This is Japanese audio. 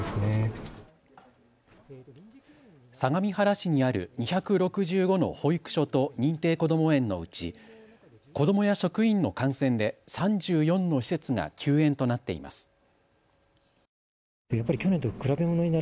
相模原市にある２６５の保育所と認定こども園のうち子どもや職員の感染で３４の施設が休園となっています。